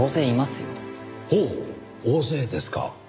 ほう大勢ですか。